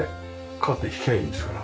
カーテン引きゃいいんですから。